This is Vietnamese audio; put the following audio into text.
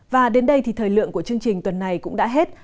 và đến đây thì thời lượng của chương trình tuần này cũng đã hết